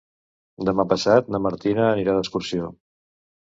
Demà passat na Martina anirà d'excursió.